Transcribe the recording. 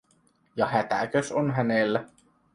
Ja hätäkös on hänellä.